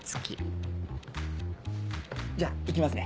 じゃあ行きますね。